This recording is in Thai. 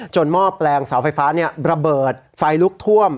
หม้อแปลงเสาไฟฟ้าระเบิดไฟลุกท่วม